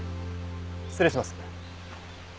失礼します。